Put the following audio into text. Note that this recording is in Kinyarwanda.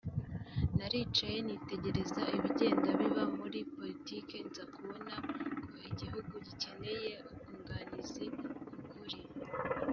naricaye nitegereza ibigenda biba muri politike nza kubona ko igihugu gikeneye ubwunganizi ku kuri